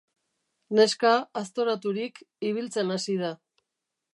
Neska, aztoraturik, ibiltzen hasi da.